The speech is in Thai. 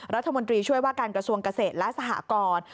รัฐมนตรีช่วยว่าการกระทรวงเกษตรและสหกร